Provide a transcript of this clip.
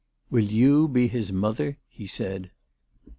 " Will you be his mother ?" he said.